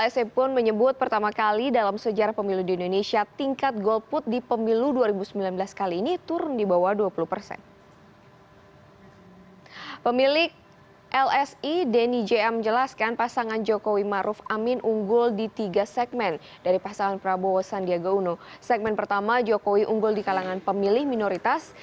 segmen pertama jokowi unggul di kalangan pemilih minoritas